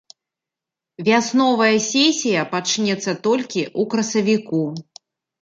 Вясновая сесія пачнецца толькі ў красавіку.